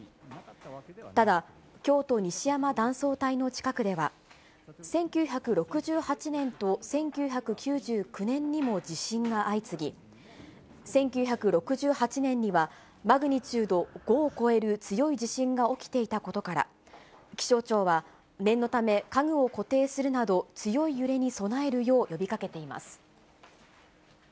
ただ、京都西山断層帯の近くでは、１９６８年と１９９９年にも地震が相次ぎ、１９６８年には、マグニチュード５を超える強い地震が起きていたことから、気象庁は、念のため家具を固定するなど、強い揺れに備えるよう呼びかけています。